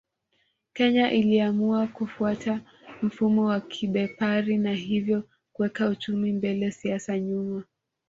Kenya iliamua kufuata mfumo wa kibepari na hivyo kuweka uchumi mbele siasa nyuma